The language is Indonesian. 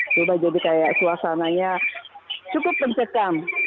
coba jadi kayak suasananya cukup mencekam